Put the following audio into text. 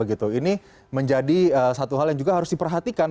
ini menjadi satu hal yang juga harus diperhatikan